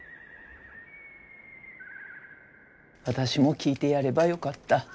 私も聞いてやればよかった。